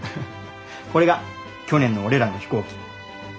これが去年の俺らの飛行機。